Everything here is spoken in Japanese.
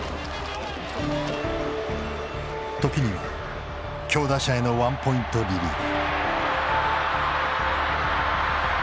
時には強打者へのワンポイントリリーフ。